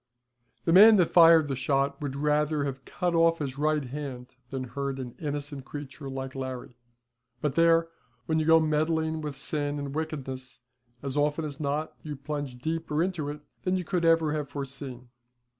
The man that fired the shot would rather have cut off his right hand than hurt an innocent creature like Larry, but there, when you go meddling with sin and wickedness, as often as not you plunge deeper into it than you could ever have foreseen.